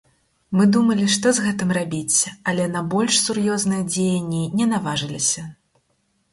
Мы думалі, што з гэтым рабіць, але на больш сур'ёзныя дзеянні не наважыліся.